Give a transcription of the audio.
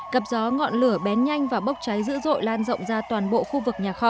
cặp gió ngọn lửa bén nhanh và bốc cháy dữ dội lan rộng ra toàn bộ khu vực nhà kho